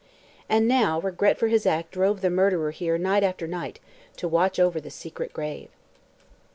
And now regret for his act drove the murderer here night after night to watch over the secret grave.